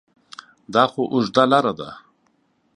دا خو اوږده لاره ده ؟